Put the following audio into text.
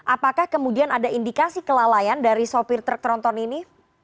apakah kemudian ada indikasi kelalaian dari sopir truk tronton ini